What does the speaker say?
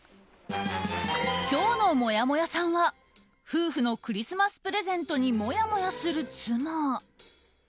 今日のもやもやさんは夫婦のクリスマスプレゼントにもやもやする妻。